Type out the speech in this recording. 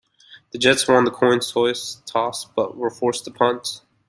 The Jets won the coin toss, but were forced to punt.